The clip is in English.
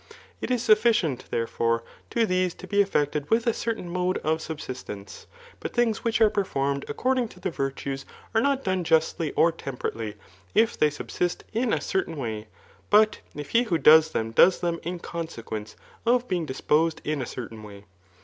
It is sufficient, therefore^ to these to be efiected with a certain mode of subsistence ; but thn^ which are performed according to the virtues, are not done justly or temperately, if they subsist in a certain way, but if he who does them does them in consequence of being disposed in a certain way.